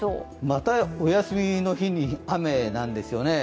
またお休みの日に雨なんですよね。